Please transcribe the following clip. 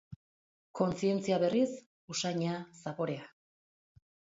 Kontzientzia berriz, usaina, zaporea.